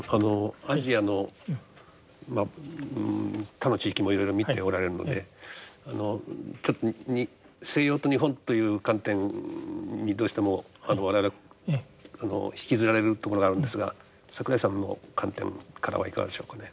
アジアの他の地域もいろいろ見ておられるのでちょっと西洋と日本という観点にどうしても我々は引きずられるところがあるんですが櫻井さんの観点からはいかがでしょうかね。